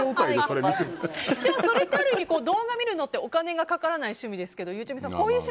でもそれってある意味動画見るのってお金がかからない趣味ですけどゆうちゃみさん